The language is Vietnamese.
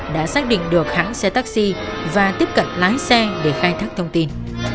đã xác định được hãng xe taxi và tiếp cận lái xe để khai thác thông tin